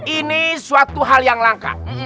ini suatu hal yang langka